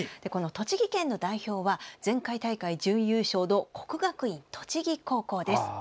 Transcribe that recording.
栃木県代表は前回大会、全国準優勝の国学院栃木高校です。